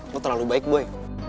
lo terlalu baik boy